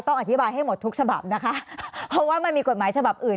ต้องอธิบายให้หมดทุกฉบับนะคะเพราะว่ามันมีกฎหมายฉบับอื่น